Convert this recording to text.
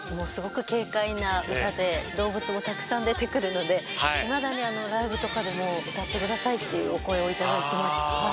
すごく軽快な歌で動物もたくさん出てくるのでいまだにライブとかでも歌って下さいっていうお声を頂きます。